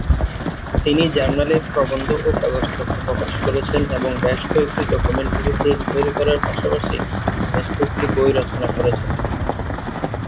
তিনি জার্নালে প্রবন্ধ এবং কাগজপত্র প্রকাশ করেছেন এবং বেশ কয়েকটি ডকুমেন্টারি ফিল্ম তৈরি করার পাশাপাশি বেশ কয়েকটি বই রচনা করেছেন।